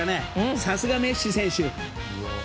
さすがメッシ選手。